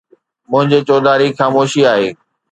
منهنجي چوڌاري خاموشي آهي.